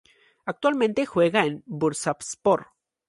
Actualmente juega en el Bursaspor.